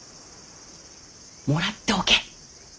もらっておけ。